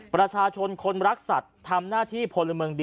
ประชาชนคนรักสัตว์ทำหน้าที่พลเมืองดี